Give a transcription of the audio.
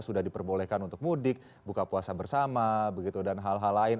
sudah diperbolehkan untuk mudik buka puasa bersama begitu dan hal hal lain